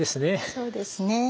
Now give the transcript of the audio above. そうですね。